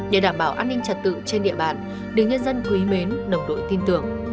để đảm bảo an ninh trật tự trên địa bàn đưa nhân dân thúi mến nồng đội tin tưởng